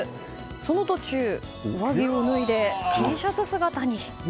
その途中、上着を脱いでＴシャツ姿に。